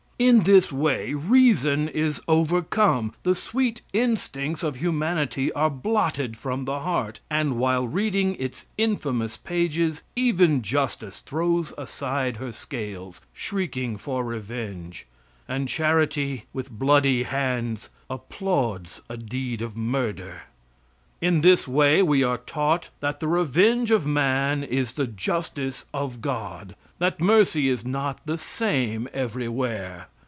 In this way the reason is overcome, the sweet instincts of humanity are blotted from the heart, and while reading its infamous pages even justice throws aside her scales, shrieking for revenge; and charity, with bloody hands, applauds a deed of murder. In this way we are taught that the revenge of man is the justice of God, that mercy is not the same everywhere.